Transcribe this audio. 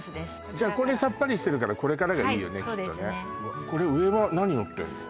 じゃあこれサッパリしてるからこれからがいいよねきっとねこれ上は何のってんの？